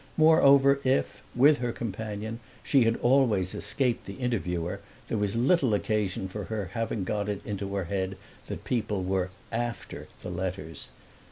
Moreover if, with her companion, she had always escaped the interviewer there was little occasion for her having got it into her head that people were "after" the letters.